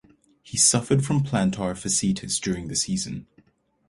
He suffered from plantar fasciitis during the season.